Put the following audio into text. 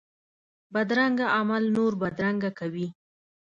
بدرنګه عمل نور بدرنګه کوي